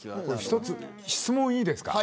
１つ、質問いいですか。